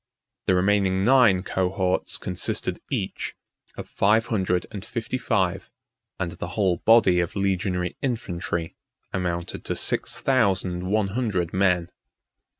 The remaining nine cohorts consisted each of five hundred and fifty five; and the whole body of legionary infantry amounted to six thousand one hundred men.